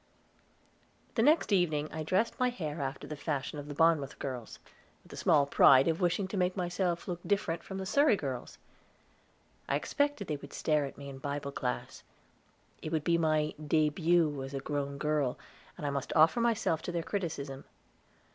The next evening I dressed my hair after the fashion of the Barmouth girls, with the small pride of wishing to make myself look different from the Surrey girls. I expected they would stare at me in the Bible Class. It would be my debut as a grown girl, and I must offer myself to their criticism.